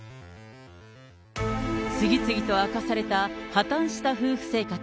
次々と明かされた破綻した夫婦生活。